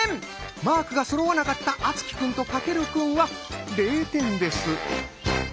マークがそろわなかった敦貴くんと翔くんは０点です。